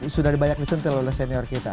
sudah banyak disentil oleh senior kita